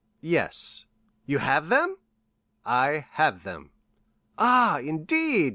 "Yes." "You have them?" "I have them." "Ah, indeed?"